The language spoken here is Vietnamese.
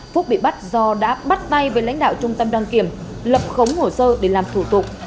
phúc bị bắt do đã bắt tay với lãnh đạo trung tâm đăng kiểm lập khống hồ sơ để làm thủ tục